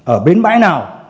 ở bến bãi nào